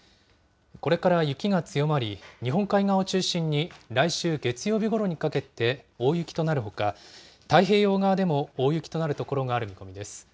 これから雪が強まり、日本海側を中心に来週月曜日ごろにかけて大雪となるほか、太平洋側でも大雪となる所がある見込みです。